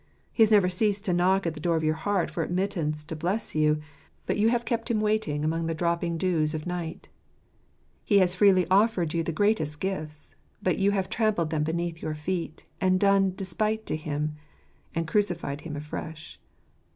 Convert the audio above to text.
He has never ceased to knock at the door of your heart for admittance to bless you ; but you have kept Him waiting amid the dropping dews of 9° Josephs JFtast ^ntcrMetn hritfr gwiljrcn. night. He has freely offered you the greatest gifts ; but you have trampled them beneath your feet, and done despite to Him, and crucified Him afresh.